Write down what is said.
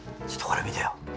ちょっとこれを見てよ。